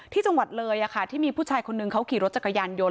ที่จังหวัดเลยที่มีผู้ชายคนนึงเขาขี่รถจักรยานยนต